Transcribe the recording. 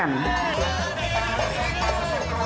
menjadi sangat riskan